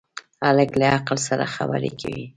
هلک له عقل سره خبرې کوي.